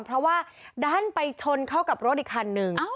เพราะว่าดันไปชนเข้ากับรถอีกคันนึง